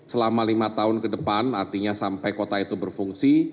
selama lima tahun ke depan artinya sampai kota itu berfungsi